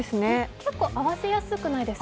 結構合わせやすくないですか？